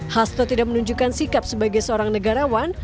hasto tidak menunjukkan sikap sebagai seorang negarawan